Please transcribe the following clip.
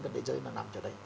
và thế giới mà nam cho đấy